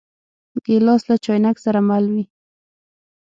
ګیلاس له چاینک سره مل وي.